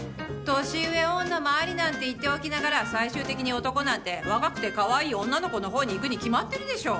年上女もありなんて言っておきながら最終的に男なんて若くて可愛い女の子のほうにいくにきまってるでしょ。